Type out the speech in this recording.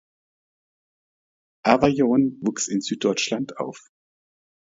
Avaion wuchs in Süddeutschland auf.